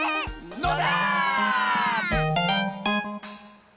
のだ！